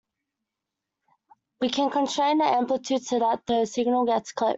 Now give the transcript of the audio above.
We can constrain the amplitude so that the signal gets clipped.